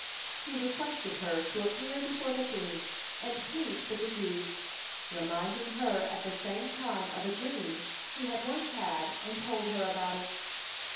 (131) He requested her to appear before the king and plead for the Jews, reminding her at the same time of a dream he had once had and told her about.